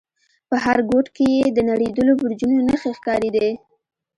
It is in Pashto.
په هر گوټ کښې يې د نړېدلو برجونو نخښې ښکارېدې.